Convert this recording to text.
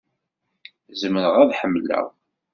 Zemreɣ ad ḥemmleɣ.